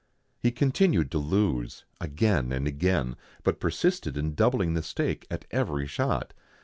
He continued to lose again and again, but persisted in doubling the stake at every shot.